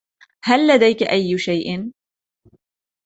هل لدیک ای شی ؟